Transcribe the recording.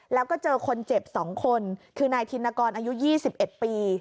แล้วก็เจอคนเจ็บ๒คนคือนายธินกรอายุ๒๑ปี